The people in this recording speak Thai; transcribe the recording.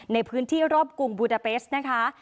ในพื้นที่รอบกรุงบูดาเบสนะคะ